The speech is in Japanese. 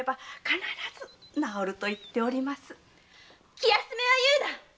気休めを言うな。